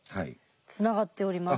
つながっております。